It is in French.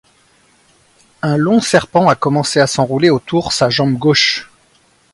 Un long serpent a commencé à s'enrouler autour sa jambe gauche.